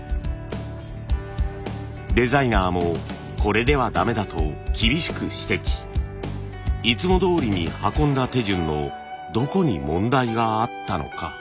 デザイナーもこれでは駄目だと厳しく指摘。いつもどおりに運んだ手順のどこに問題があったのか。